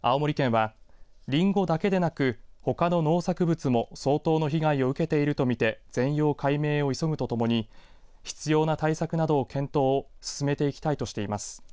青森県は、りんごだけでなくほかの農作物も相当の被害を受けているとみて全容解明を急ぐとともに必要な対策などの検討を進めていきたいとしています。